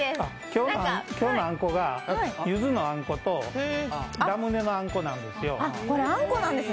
今日のあんこが、ゆずとラムネのあんこなんです。